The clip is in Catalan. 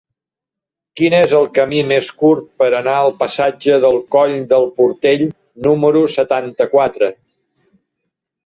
Quin és el camí més curt per anar al passatge del Coll del Portell número setanta-quatre?